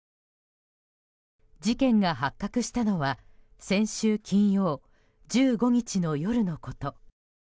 事件が発覚したのは先週金曜、１５日の夜のこと。